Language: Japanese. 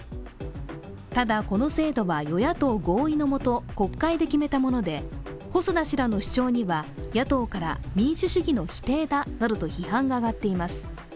ただ、この制度は与野党合意のもと国会で決めたもので細田氏らの主張には野党から民主主義の否定だなどと批判が上がっています。